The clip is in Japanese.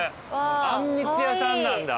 あんみつ屋さんなんだ。